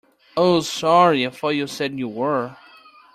Oh, sorry, I thought you said you were.